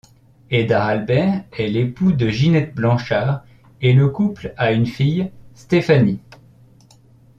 Hédard Albert est l'époux de Ginette Blanchard et le couple a une fille, Stéphanie.